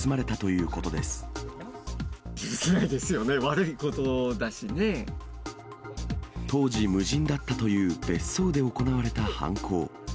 許せないですよね、悪いこと当時、無人だったという別荘で行われた犯行。